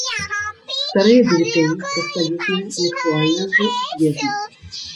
Старыя бюлетэні прафсаюзныя, неактуальныя ўжо, звезлі.